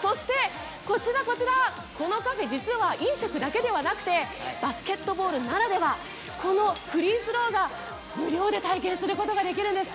そして、こちらこのカフェ、実は飲食だけではなくてバスケットボールならではこのフリースローを無料で体験することができるんです。